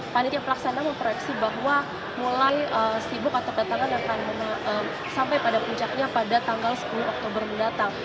panitia pelaksana memproyeksi bahwa mulai sibuk atau kedatangan akan sampai pada puncaknya pada tanggal sepuluh oktober mendatang